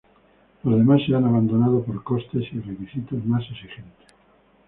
Los demás se han abandonado por costes y requisitos más exigentes.